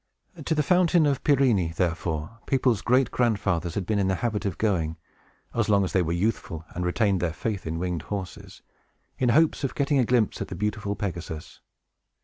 To the Fountain of Pirene, therefore, people's great grandfathers had been in the habit of going (as long as they were youthful, and retained their faith in winged horses), in hopes of getting a glimpse at the beautiful Pegasus.